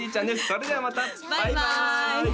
それではまたバイバーイ！